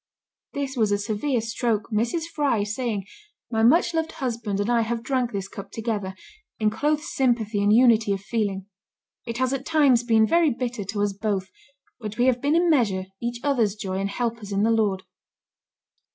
This was a severe stroke, Mrs. Fry saying, "My much loved husband and I have drank this cup together, in close sympathy and unity of feeling. It has at times been very bitter to us both, but we have been in measure each other's joy and helpers in the Lord."